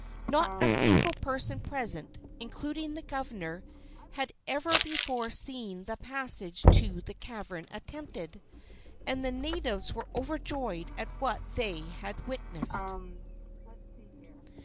Not a single person present, including the governor, had ever before seen the passage to the cavern attempted, and the natives were overjoyed at what they had witnessed.